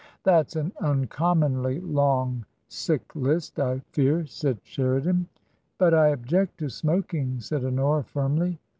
" That's an uncommonly long sick list, I fear," said Sheridan. "But I object to smoking!" said Honora, firmly.